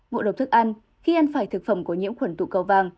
một độc thức ăn khi ăn phải thực phẩm có nhiễm khuẩn tụ cầu vang